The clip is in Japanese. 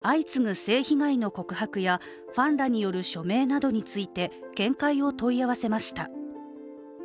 今回、私たちはジャニーズ事務所側に相次ぐ性被害の告白やファンらによる署名などについて見解を問い合わせました。